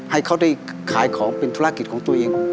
ให้เขาได้ขายของเป็นธุรกิจของตัวเอง